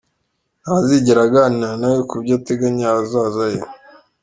Ntazigera aganira nawe ku byo ateganya ahazaza he.